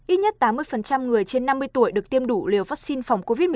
ít nhất tám mươi người trên năm mươi tuổi được tiêm đủ liều vaccine phòng covid một mươi chín